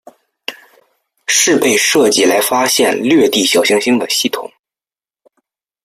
是被设计来发现掠地小行星的系统。